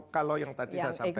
kalau yang tadi saya sampaikan